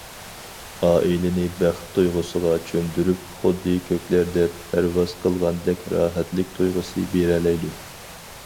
ئائىلىنى بەخت تۇيغۇسىغا چۆمدۈرۈپ، خۇددى كۆكلەردە پەرۋاز قىلغاندەك راھەتلىك تۇيغۇسى بېرەلەيدۇ.